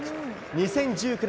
２０１９年